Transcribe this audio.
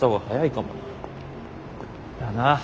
だな。